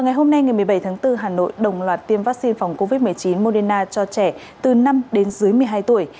ngày hôm nay ngày một mươi bảy tháng bốn hà nội đồng loạt tiêm vaccine phòng covid một mươi chín moderna cho trẻ từ năm đến dưới một mươi hai tuổi